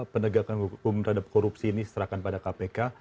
penegakan hukum terhadap korupsi ini serahkan pada kpk